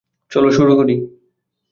চলো শুরু করি!